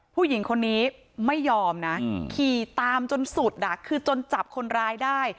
ผู้หญิงคนนี้ไม่ยอมนะขี่ตามจนสุดคือจนจับคนร้ายได้